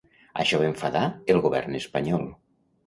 Això va enfadar el Govern espanyol.